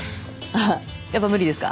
あっやっぱ無理ですか